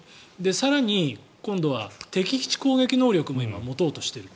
更に今は敵基地攻撃能力も今、持とうとしている。